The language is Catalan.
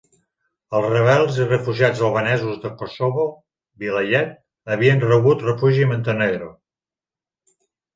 Els rebels i refugiats albanesos de Kosovo Vilayet havien rebut refugi a Montenegro